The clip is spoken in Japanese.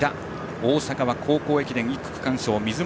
大阪は高校駅伝１区区間賞の水本。